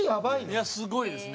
水田：すごいですね。